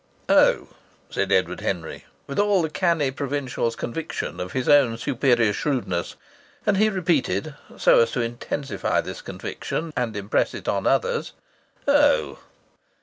"Oh," said Edward Henry, with all the canny provincial's conviction of his own superior shrewdness; and he repeated, so as to intensify this conviction and impress it on others, "Oh!"